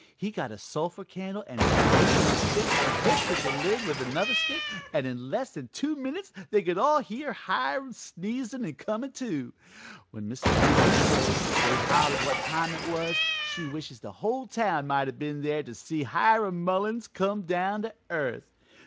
He got a sulphur candle an' tied it to a stick an' h'isted the lid with another stick, an' in less 'n two minutes they could all hear Hiram sneezin' an' comin' to. An' Mrs. Macy says when they hollered what time it was she wishes the whole town might have been there to see Hiram Mullins come down to earth.